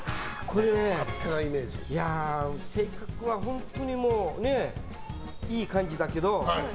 性格は本当にいい感じだけど。